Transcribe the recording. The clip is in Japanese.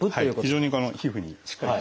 非常に皮膚にしっかりくっつく。